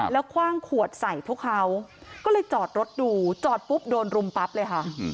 แล้วคว่างขวดใส่พวกเขาก็เลยจอดรถดูจอดปุ๊บโดนรุมปั๊บเลยค่ะ